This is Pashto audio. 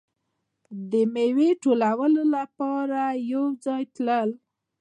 د میوې ټولولو لپاره به یو ځای تلل.